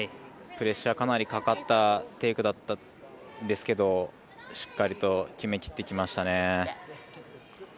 プレッシャー、かなりかかったテイクだったんですけどしっかりと決めきってきましたね。